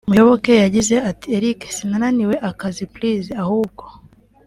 Muyoboke yagize ati “@Eric Sinananiwe akazi pliz ahubwo